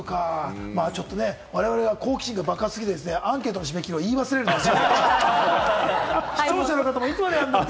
我々は好奇心が爆発しすぎて、アンケートの締め切りを言い忘れるという。